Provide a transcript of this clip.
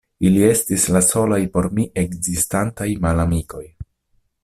Ili estis la solaj por mi ekzistantaj malamikoj.